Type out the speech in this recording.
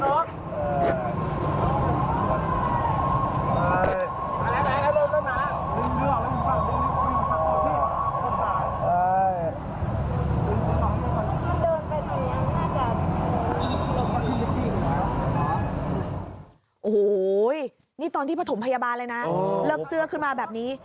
โอ้โหนี่ตอนที่ประถมพยาบาลเลยนะเลิกเสื้อขึ้นมาแบบนี้